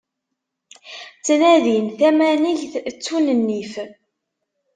Ttnadin tamanegt, ttun nnif.